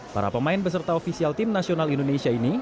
para pemain beserta ofisial timnasional indonesia ini